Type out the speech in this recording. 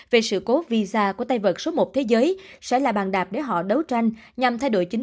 về sự cố visa của tay vợt số một thế giới